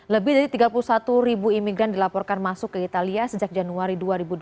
lebih dari tiga puluh satu ribu imigran dilaporkan masuk ke italia sejak januari dua ribu dua puluh